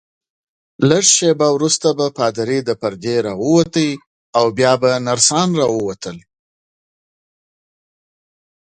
لږ شیبه وروسته به پادري له پردې راووت، بیا به نرسان راووتل.